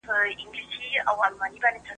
دا زۀ چې اړوم د ځوانۍ شپې پۀ شمار د ستوريو